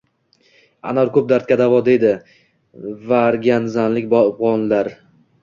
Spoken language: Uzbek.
“Anor ko‘p dardga da’vo” deydi varganzalik bog‘bonlarng